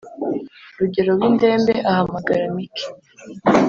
rugero windembe ahamagara mike